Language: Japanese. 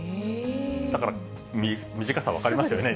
だから短さ分かりますよね。